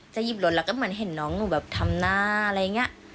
หยิบรถแล้วก็เหมือนเห็นน้องหนูแบบทำหน้าอะไรอย่างนี้